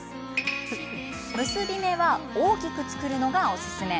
結び目は大きく作るのがおすすめ。